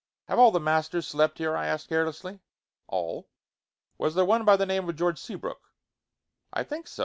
"Have all the masters slept here?" I asked carelessly. "All." "Was there one by the name of George Seabrook?" "I think so.